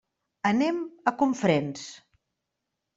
Anem a Cofrents.